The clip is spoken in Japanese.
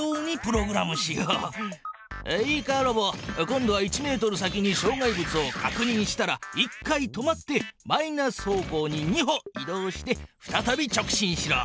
今度は１ｍ先にしょう害物をかくにんしたら１回止まってマイナス方向に２歩い動してふたたび直進しろ。